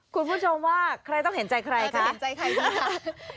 คุณผู้ชมว่าใครต้องเห็นใจใครคะเห็นใจใครบ้างคะ